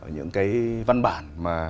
những cái văn bản mà